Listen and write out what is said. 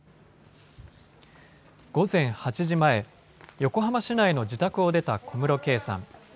午前８時前、横浜市内の自宅を出た小室圭さん。